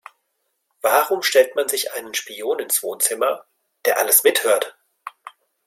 Warum stellt man sich einen Spion ins Wohnzimmer, der alles mithört?